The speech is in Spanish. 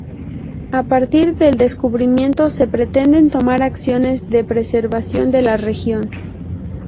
A partir del redescubrimiento se pretenden tomar acciones de preservación de la región.